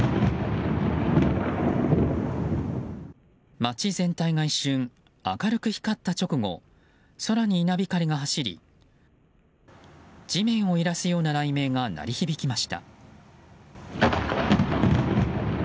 街全体が一瞬、明るく光った直後空に稲光が走り地面を揺らすような雷鳴が鳴り響きました。